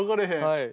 はい。